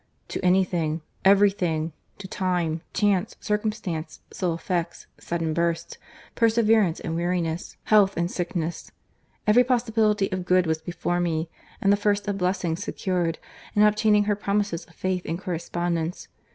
—To any thing, every thing—to time, chance, circumstance, slow effects, sudden bursts, perseverance and weariness, health and sickness. Every possibility of good was before me, and the first of blessings secured, in obtaining her promises of faith and correspondence.